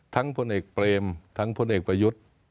พลเอกเปรมทั้งพลเอกประยุทธ์